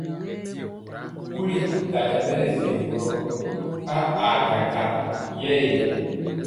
Kuli ta nyɛ ɓɛ nɛ fegi gɔ pa a yɛ gaŋ ee.